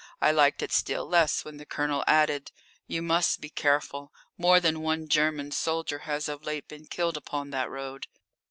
I liked it still less when the Colonel added: "You must be careful. More than one German soldier has of late been killed upon that road.